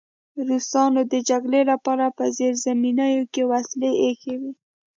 روسانو د جګړې لپاره په زیرزمینیو کې وسلې ایښې وې